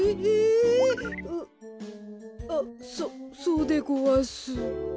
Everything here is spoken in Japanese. う。あっそそうでごわす。